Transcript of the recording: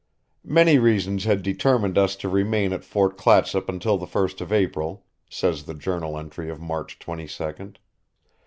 "Many reasons had determined us to remain at Fort Clatsop until the first of April," says the journal entry of March 22d.